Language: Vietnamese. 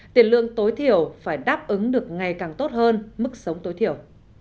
tiền lương tối thiểu phải đáp ứng được ngày càng tốt hơn mức sống tối thiểu